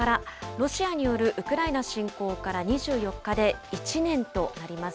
ロシアによるウクライナ侵攻から２４日で１年となります。